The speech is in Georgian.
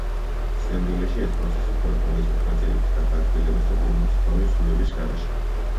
სინამდვილეში, ეს პროცესი მხოლოდ მოიცავს ნაწილების გადაადგილებას და ბრუნვას, ფორმის ცვლილების გარეშე.